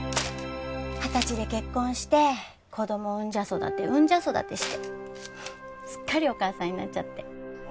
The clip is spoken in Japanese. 二十歳で結婚して子供産んじゃ育て産んじゃ育てしてすっかりお母さんになっちゃって。